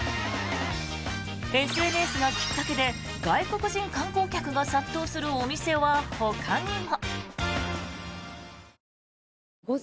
ＳＮＳがきっかけで外国人観光客が殺到するお店はほかにも。